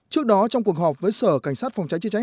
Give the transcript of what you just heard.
trước đó trong cuộc họp với sở cảnh sát phòng cháy